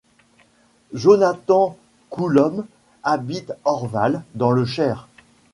Jonathan Coulom habite Orval dans le Cher.